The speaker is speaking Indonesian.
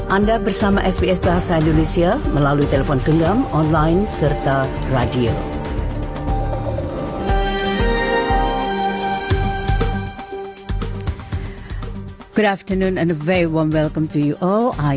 anda bersama sps bahasa indonesia melalui telepon genggam online serta radio